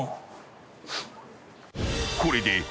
［これで］